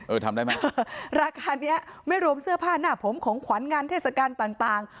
ทำได้ไหมราคานี้ไม่รวมเสื้อผ้าหน้าผมของขวัญงานเทศกาลต่าง